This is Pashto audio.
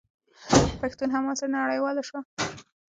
پښتون حماسه نړیواله شوه.